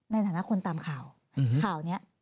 ในฐานะคนตามข่าวข่าวนี้